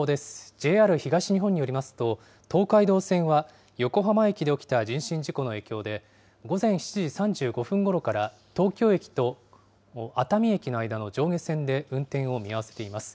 ＪＲ東日本によりますと、東海道線は横浜駅で起きた人身事故の影響で、午前７時３５分ごろから東京駅と熱海駅の間の上下線で運転を見合わせています。